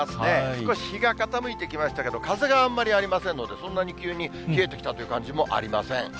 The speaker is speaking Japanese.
少し日が傾いてきましたけど、風があんまりありませんので、そんなに急に冷えてきたという感じもありません。